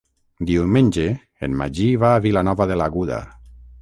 Diumenge en Magí va a Vilanova de l'Aguda.